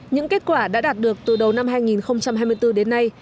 những kết quả đã đạt được từ đầu năm hai nghìn hai mươi bốn đến nay